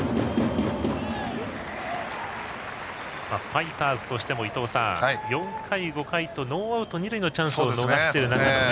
ファイターズとしても伊東さん４回、５回とノーアウト二塁のチャンスを逃すという。